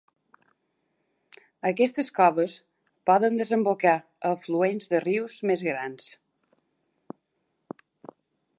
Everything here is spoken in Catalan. Aquestes coves poden desembocar a afluents de rius més grans.